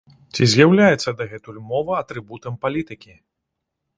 Ці з'яўляецца дагэтуль мова атрыбутам палітыкі?